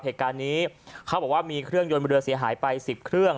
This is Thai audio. เหตุการณ์นี้เขาบอกว่ามีเครื่องยนต์เรือเสียหายไป๑๐เครื่อง